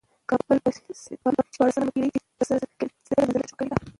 کابل په شپاړسمه پېړۍ کې ستره زلزله تجربه کړې ده.